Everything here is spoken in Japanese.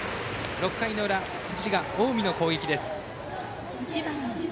６回の裏、滋賀・近江の攻撃。